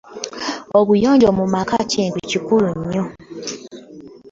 Obuyonjo muka lintu kikulu nnyo.